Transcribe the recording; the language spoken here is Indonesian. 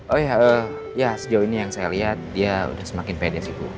oh ya sejauh ini yang saya lihat dia udah semakin pedes sih bu